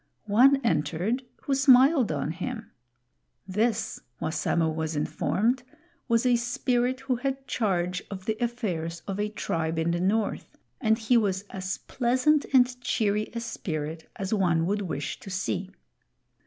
One entered who smiled on him. This, Wassamo was informed, was a Spirit who had charge of the affairs of a tribe in the North, and he was as pleasant and cheery a Spirit as one would wish to see.